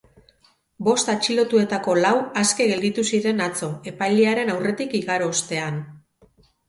Bost atxilotuetako lau aske gelditu ziren atzo, epailearen aurretik igaro ostean.